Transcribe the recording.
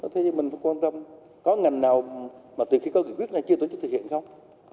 thế nhưng mình phải quan tâm có ngành nào mà từ khi có nghị quyết là chưa tổ chức thực hiện không